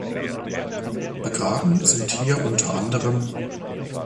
Begraben sind hier unter anderem.